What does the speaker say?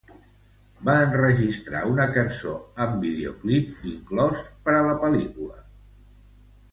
Va enregistrar una cançó amb videoclip inclòs per a la pel·lícula.